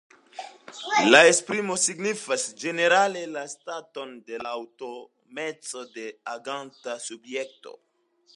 La esprimo signifas ĝenerale la staton de aŭtonomeco de aganta subjekto.